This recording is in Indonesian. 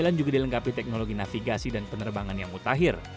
n dua ratus sembilan belas juga dilengkapi teknologi navigasi dan penerbangan yang mutahir